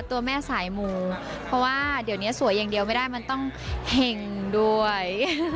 ตัวแม่สายมูเพราะว่าเดี๋ยวนี้สวยอย่างเดียวไม่ได้มันต้องเห็งด้วย